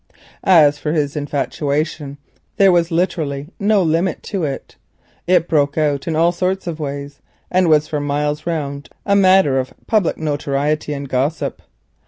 As for his infatuation there was literally no limit to it. It broke out in all sorts of ways, and for miles round was a matter of public notoriety and gossip.